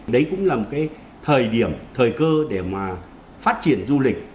đấy cũng là một cái thời điểm thời cơ để mà phát triển du lịch